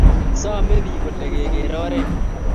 Same pik kolee keker oret